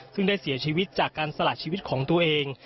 ซึ่งได้เสียชีวิตจากการสละชีวิตของตัวเอง